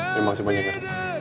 terima kasih banyak gar